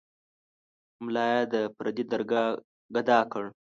ملا یې د پردي درګاه ګدا کړ.